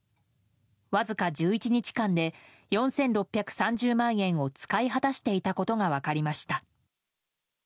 わずか１１日間で４６３０万円を使い果たしていたことが分かりました。